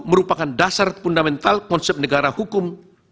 merupakan dasar fundamental konsep negara hukum